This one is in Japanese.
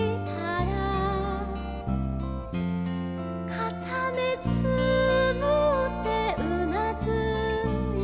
「かためつむってうなずいた」